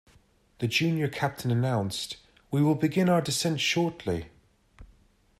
The junior captain announced, "We will begin our descent shortly".